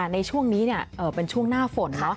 ในช่วงนี้เนี่ยเป็นช่วงหน้าฝนเนอะ